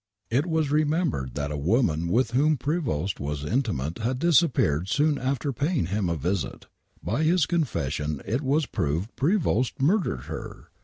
It was remembered that a woman with whom Prevost was intimate had disappeared soon after paying him a visit. By his confession it was proved Prevost murdered her